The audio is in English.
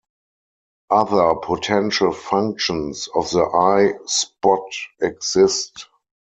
Other potential functions of the eye spot exist.